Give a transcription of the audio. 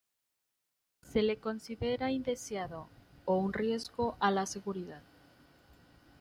Se le considera indeseado, o un riesgo a la seguridad.